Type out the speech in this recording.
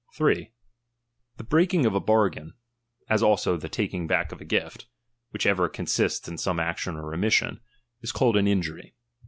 Injury defiDed. 3. The breaking of a bargain, as also the taking ,„_ back of a gift, (which ever consists in some action |h or omission), is called an injury.